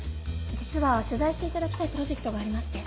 実は取材していただきたいプロジェクトがありまして。